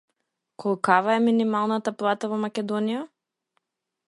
Колкава е минималната плата во Македонија?